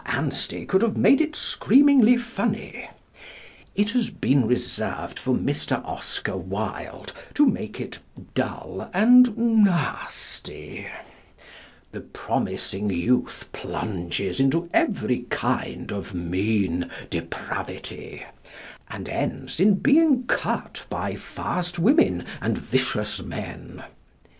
Anstey could have made it screamingly funny. It has been reserved for Mr. Oscar Wilde to make it dull and nasty. The promising youth plunges into every kind of mean depravity, and ends in being "cut" by fast women and vicious men.